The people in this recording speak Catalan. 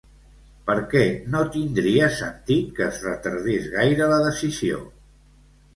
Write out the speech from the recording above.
Per què no tindria sentit que es retardés gaire la decisió?